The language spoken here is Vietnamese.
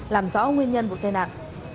làm rõ nguyên nhân vụ tai nạn